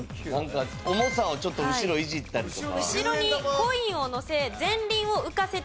重さをちょっと後ろいじったりとか。